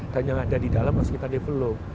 dan yang ada di dalam harus kita develop